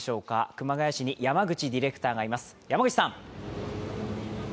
熊谷市に山口ディレクターがいます。